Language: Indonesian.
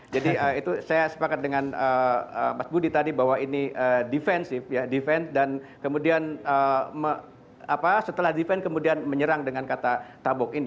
jadi itu saya sepakat dengan mas budi tadi bahwa ini defensif ya defens dan kemudian setelah defens kemudian menyerang dengan kata tabok ini